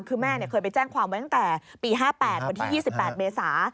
คือแม่เคยไปแจ้งความไว้ตั้งแต่ปี๕๘วันที่๒๘เมษา